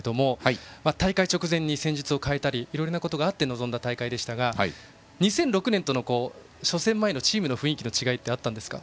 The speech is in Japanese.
大会直前戦術を変えたりいろいろあって臨んだ大会でしたが２００６年との初戦前のチームの雰囲気の違いは？